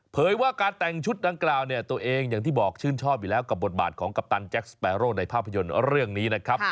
ว่าการแต่งชุดดังกล่าวเนี่ยตัวเองอย่างที่บอกชื่นชอบอยู่แล้วกับบทบาทของกัปตันแจ็คสเปโร่ในภาพยนตร์เรื่องนี้นะครับ